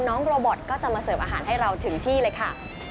โรบอทก็จะมาเสิร์ฟอาหารให้เราถึงที่เลยค่ะ